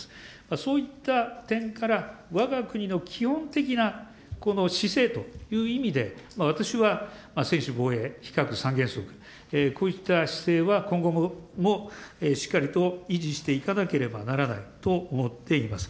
そういった点から、わが国の基本的なこの姿勢という意味で、私は専守防衛、非核三原則、こうした姿勢は今後もしっかりと維持していかなければならないと思っています。